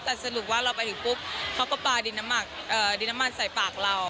แต่สรุปว่าเราไปถึงปุ๊บเขาก็ปลาดินน้ำมันใส่ปากเรา